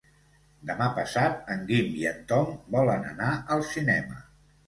Demà passat en Guim i en Tom volen anar al cinema.